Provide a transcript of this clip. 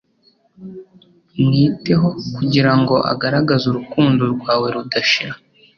Mwiteho kugirango agaragaze urukundo rwawe rudashira.